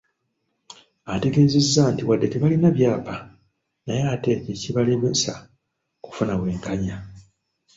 Ategezeza nti wadde tebalina byapa, naye ate tekibalemesa kufuna bwenkanya.